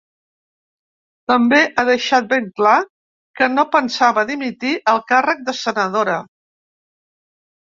També ha deixat ben clar que no pensava dimitir el càrrec de senadora.